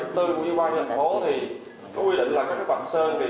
theo quyết định bảy mươi bốn của ubnd quy định là các vạch sơn